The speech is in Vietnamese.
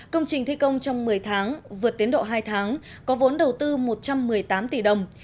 công trình thi công trong một mươi tháng vượt tiến độ hai tháng có vốn đầu tư một trăm một mươi tám tỷ đồng